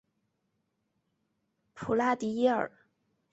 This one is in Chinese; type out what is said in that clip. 普拉迪耶尔。